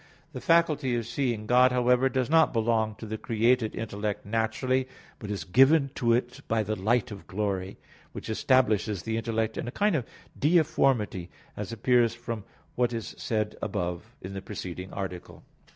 The faculty of seeing God, however, does not belong to the created intellect naturally, but is given to it by the light of glory, which establishes the intellect in a kind of "deiformity," as appears from what is said above, in the preceding article.